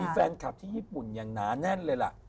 แฟนคลับที่ญี่ปุ่นอย่างหนาแน่นเลยล่ะ